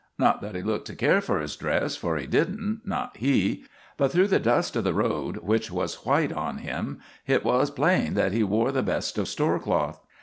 Not that he looked to care for his dress, for he didn't, not he; but through the dust of the road, which was white on him, hit was plain that he wore the best of store cloth.